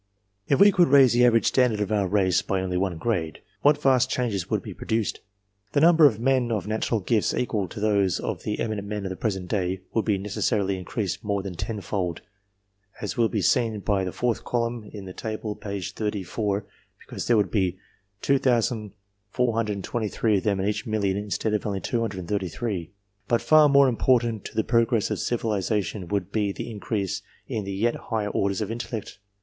If we could raise the average standard of our race only one grade, what vast changes would be produced ! The number of men of natural gifts equal to those of the eminent men of the present day, would be necessarily increased more than tenfold, as will be seen by the fourth columiv of the table p. 30, because there would be 2,423 of them in each million instead of only 233; but far more important to the progress of civilization would be the increase in the yet higher orders of intellect.